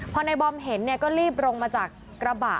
พอในบอมเห็นก็รีบลงมาจากกระบะ